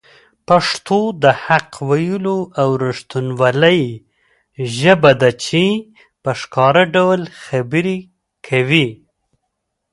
پښتو د حق ویلو او رښتینولۍ ژبه ده چي په ښکاره ډول خبرې کوي.